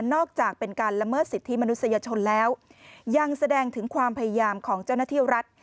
จากการละเมิดสิทธิมนุษยชนแล้วยังแสดงถึงความพยายามของเจ้าหน้าที่รัฐ